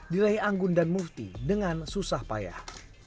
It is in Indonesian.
diraih anggun dan mufti dengan susah payah